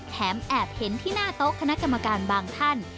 แอบเห็นที่หน้าโต๊ะคณะกรรมการบางท่าน